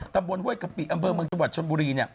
ตำบลห้วยกะปิอำเภอเมืองจังหวัดชนบุรี